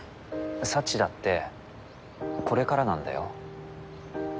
サチだってこれからなんだよ。